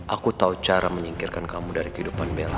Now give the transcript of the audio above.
aku tahu cara menyingkirkan kamu dari kehidupan bella